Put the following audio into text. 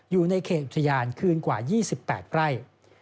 อยู่ในเขตอุทยานคืนกว่า๒๘ไร่